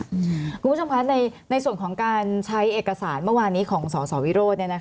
คุณผู้ชมคะในส่วนของการใช้เอกสารเมื่อวานนี้ของสสวิโรธ